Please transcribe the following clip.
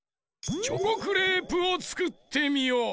チョコクレープをつくってみよ！